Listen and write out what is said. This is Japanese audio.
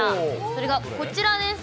それがこちらです。